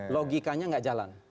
logikanya nggak jalan